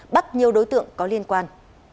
bắt nhiều đối tượng có liên quan